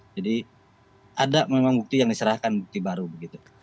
jadi ada memang bukti yang diserahkan bukti baru begitu